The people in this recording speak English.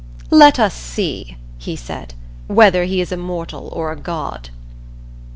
"Let us see," he said, "whether he is a mortal or a god."